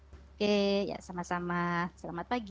oke ya sama sama selamat pagi